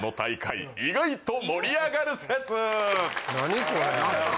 何これ？